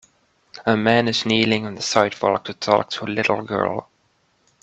A man is kneeling on the sidewalk to talk to a little girl.